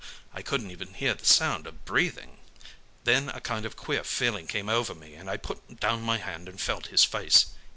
I couldn't even hear the sound of breathing. Then a kind of queer feeling came over me, and I put down my hand and felt his face.